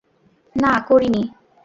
না, করিনি।